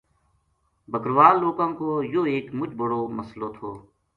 بکروال لوکاں کو یوہ ایک مُچ بڑو مسلو تھو۔